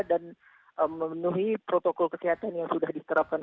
dan memenuhi protokol kesehatan yang sudah diserapkan